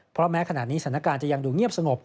เพราะแม้ขณะนี้สถานการณ์จะยังดูเงียบสงบ